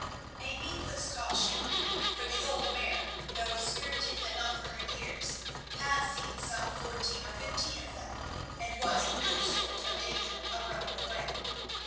A needless caution. For the old mare, though spirited enough for her years, had seen some fourteen or fifteen of them and was in no sort of danger of running away.